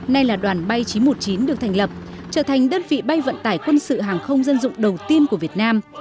nay là đoàn bay chín trăm một mươi chín được thành lập trở thành đơn vị bay vận tải quân sự hàng không dân dụng đầu tiên của việt nam